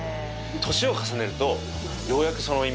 年を重ねると。